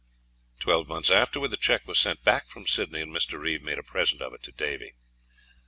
"Twelve months afterwards the cheque was sent back from Sydney, and Mr. Reeve made a present of it to Davy.